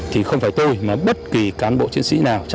thì không phải tôi mà bất kỳ cán bộ chiến sĩ nào